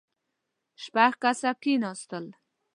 شپږ کسه کېناستل.